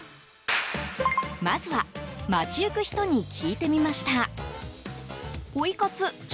まずは街行く人に聞いてみました。